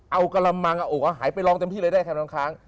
เอากระมังเอาอกเอาหายไปลองเต็มที่เลยได้แค่น้องค้าง